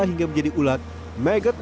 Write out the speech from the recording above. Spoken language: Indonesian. hingga menjadi ulat maggot